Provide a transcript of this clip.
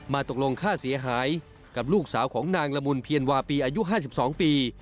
มาตกลงฆ่าเสียหายกับลูกสาวของนางละมุนพีเอ็นวาปี๕๒ปี